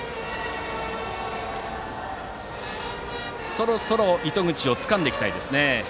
そろそろ糸口をつかんでいきたいですね。